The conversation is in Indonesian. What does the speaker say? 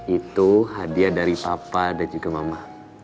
itu hadiah dari papa dan juga mama